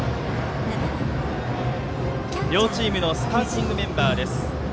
両チームのスターティングメンバーです。